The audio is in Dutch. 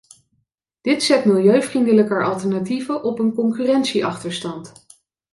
Dit zet milieuvriendelijker alternatieven op een concurrentieachterstand.